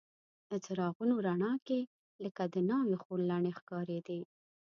د څراغونو رڼا کې لکه د ناوې خورلڼې ښکارېدې.